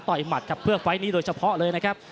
เสียเรียมบ่อปลาบุญชูขึ้นมาถอดมงคลให้ครับ